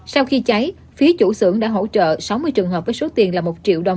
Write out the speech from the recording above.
sau khi cháy phía chủ xưởng đã hỗ trợ sáu mươi trường hợp với số tiền là một triệu đồng